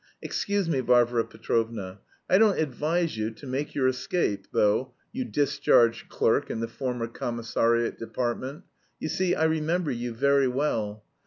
Excuse me, Varvara Petrovna. I don't advise you to make your escape though, you discharged clerk in the former commissariat department; you see, I remember you very well.